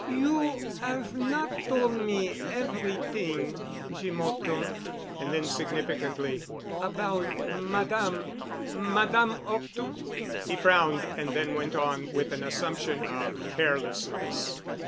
"You 'ave not told me everyt'ing, Jeem 'Orton," And then, significantly, "About Madame—Madame 'Orton?" He frowned and then went on with an assumption of carelessness.